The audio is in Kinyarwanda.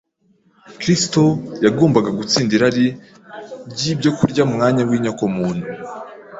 Kristo, yagombaga gutsinda irari ry’ibyo kurya mu mwanya w’inyokomuntu,